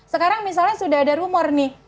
sekarang misalnya sudah ada rumor nih